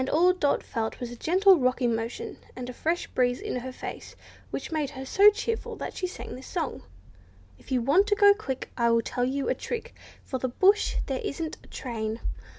All Dot felt was a gentle rocking motion, and a fresh breeze in her face, which made her so cheerful that she sang this song:— If you want to go quick, I will tell you a trick For the bush, where there isn't a train.